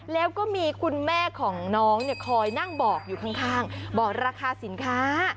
แล้วก็มีคุณแม่ของน้องเนี่ยคอยนั่งบอกอยู่ข้างบอกราคาสินค้า